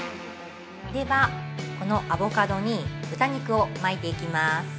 では、このアボカドに豚肉を巻いていきます。